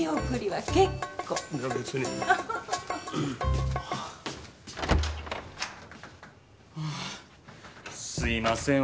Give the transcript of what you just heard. はあすいません。